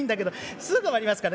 すぐ終わりますので。